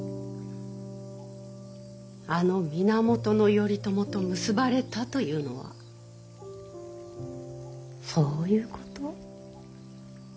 あの源頼朝と結ばれたというのはそういうこと。